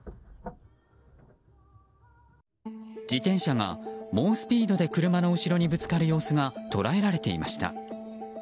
自転車が猛スピードで車の後ろにぶつかる様子が捉えられていました。